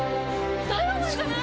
ダイワマンじゃない？